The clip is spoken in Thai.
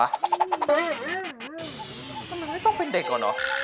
มะมะมันไม่ต้องเป็นเด็กอ่ะเนาะ